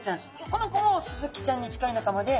この子もスズキちゃんに近い仲間で。